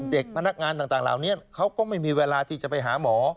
เด็กพนักงานต่างเหล่านี้เขาก็ไม่มีเวลาที่จะไปหาหมอ